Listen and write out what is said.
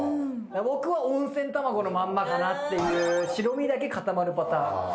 僕は温泉卵のまんまかなっていう白身だけ固まるパターン。